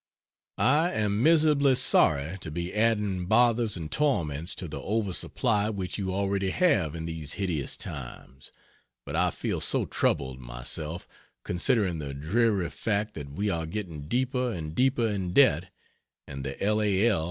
I am miserably sorry to be adding bothers and torments to the over supply which you already have in these hideous times, but I feel so troubled, myself, considering the dreary fact that we are getting deeper and deeper in debt and the L. A. L.